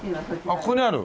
あっここにある？